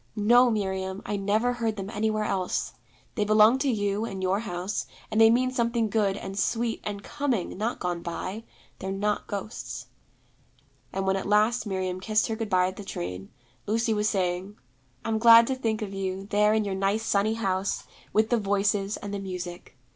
'No, Miriam, I never heard them anywhere else. They belong to you and your house, and they mean something good, and sweet, and coming, not gone by. They're not ghosts.' And when at last Miriam kissed her good bye at the train, Lucy was saying, 'I'm glad to think of you, there in your nice sunny house, with the Voices, and the Music.